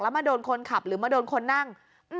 มาโดนคนขับหรือมาโดนคนนั่ง